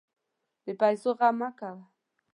د پیسو غم مه کوه.